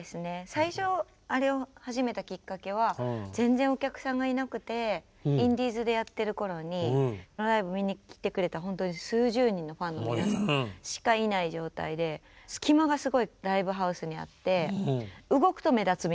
最初あれを始めたきっかけは全然お客さんがいなくてインディーズでやってる頃にライブ見に来てくれた数十人のファンの皆さんしかいない状態で隙間がすごいライブハウスにあって動くと目立つみたいな。